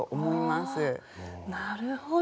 なるほど。